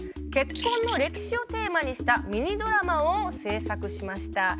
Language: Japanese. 結婚の歴史をテーマにしたミニドラマを制作しました。